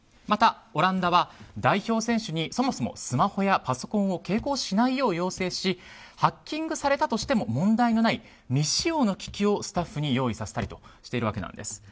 またオランダは代表選手にそもそもスマホやＰＣを携行しないよう要請しハッキングされたとしても問題のない未使用の機器をスタッフに用意させたりしているわけです。